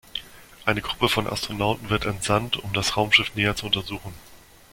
Eine Gruppe von Astronauten wird entsandt, um das Raumschiff näher zu untersuchen.